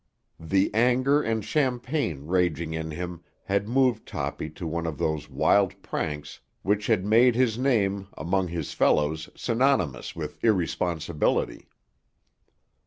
The anger and champagne raging in him had moved Toppy to one of those wild pranks which had made his name among his fellows synonymous with irresponsibility.